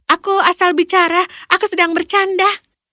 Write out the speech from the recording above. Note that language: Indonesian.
aku asal bicara aku sedang bercanda